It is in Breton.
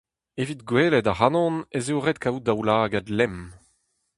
Evit gwelet ac'hanon ez eo ret kaout daoulagad lemm !